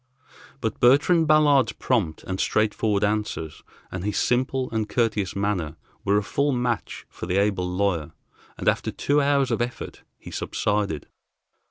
But Bertrand Ballard's prompt and straightforward answers, and his simple and courteous manner, were a full match for the able lawyer, and after two hours of effort he subsided.